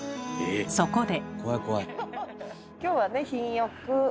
そこで。